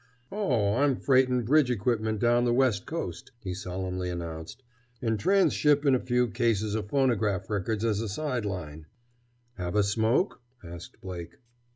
"Oh, I'm freightin' bridge equipment down the West Coast," he solemnly announced. "And transshippin' a few cases o' phonograph records as a side line!" "Have a smoke?" asked Blake.